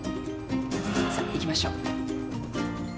さっ行きましょう。